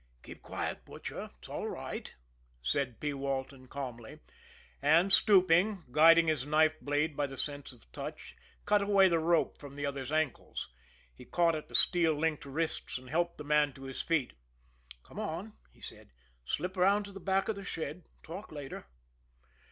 "Keep quiet, Butcher it's all right," said P. Walton calmly and, stooping, guiding his knife blade by the sense of touch, cut away the rope from the other's ankles. He caught at the steel linked wrists and helped the man to his feet. "Come on," he said. "Slip around to the back of the shed talk later."